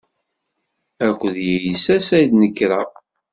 Akked yiysas ay d-nekreɣ.